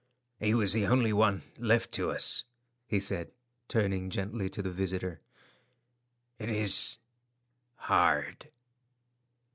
"He was the only one left to us," he said, turning gently to the visitor. "It is hard."